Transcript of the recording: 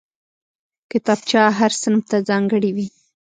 کتابچه هر صنف ته ځانګړې وي